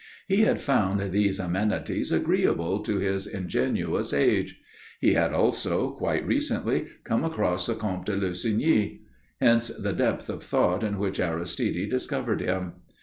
He had found these amenities agreeable to his ingenuous age. He had also, quite recently, come across the Comte de Lussigny. Hence the depth of thought in which Aristide discovered him.